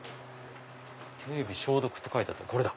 手指消毒って書いてあったこれだ！